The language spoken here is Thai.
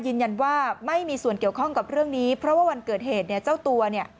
ยืนยันว่าไม่มีส่วนเกี่ยวข้องกับเรื่องนี้เพราะว่าวันเกิดเหตุเนี่ยเจ้าตัวเนี่ย